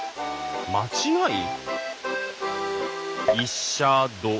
間違い？